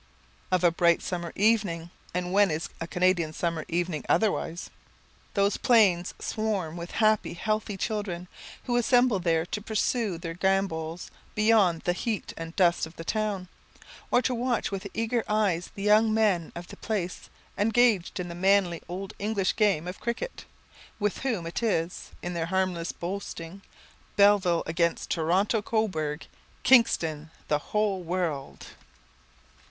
Of a bright summer evening (and when is a Canadian summer evening otherwise?) those plains swarm with happy, healthy children, who assemble there to pursue their gambols beyond the heat and dust of the town; or to watch with eager eyes the young men of the place engaged in the manly old English game of cricket, with whom it is, in their harmless boasting, "Belleville against Toronto Cobourg; Kingston, the whole world."